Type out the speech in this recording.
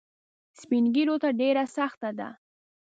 سپین ږیرو ته ډېره سخته ده.